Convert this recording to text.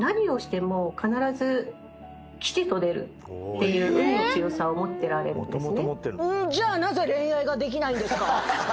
そういう運の強さを持ってられるんですね。